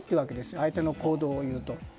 相手の行動を言うと。